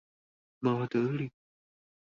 馬德里